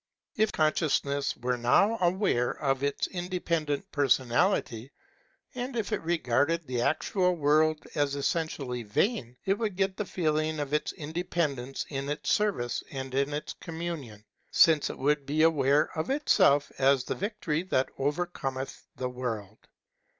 If consciousness were now aware of its independent person ality, and if it regarded the actual world as essentially vain, it ^ would get the feeling of its independence in its service and in its communion, since it would be aware of itself as the victory that overcometh the world.